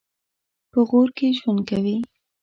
په غور کې ژوند کوي.